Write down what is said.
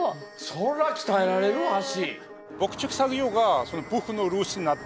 そら鍛えられるわ足。